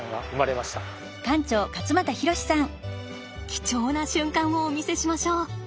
貴重な瞬間をお見せしましょう。